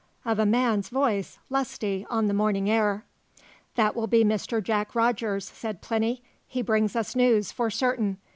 of a man's voice, lusty on the morning air. "That will be Mr. Jack Rogers," said Plinny. "He brings us news, for certain!